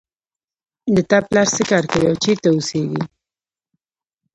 د تا پلار څه کار کوي او چېرته اوسیږي